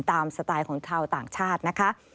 สไตล์ของชาวต่างชาตินะคะ